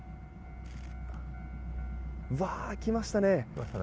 あっ、来ましたね。